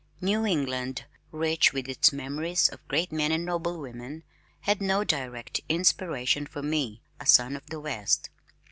New England, rich with its memories of great men and noble women, had no direct inspiration for me, a son of the West.